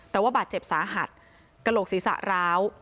แต่ว่าบาดเจ็บสาหัสกระโหลกศีรษะร้าว